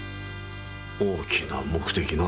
大きな目的な？